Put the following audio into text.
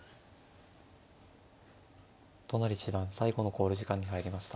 都成七段最後の考慮時間に入りました。